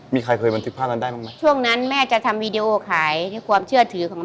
มีใครเคยบันทึกภาพนั้นได้บ้างไหมช่วงนั้นแม่จะทำวีดีโอขายความเชื่อถือของ